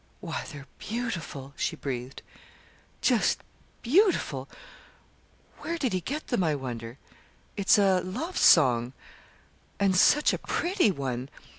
"Why, they're beautiful," she breathed, "just beautiful! Where did he get them, I wonder? It's a love song and such a pretty one!